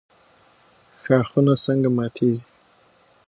ښاخونه څنګه ماتیږي؟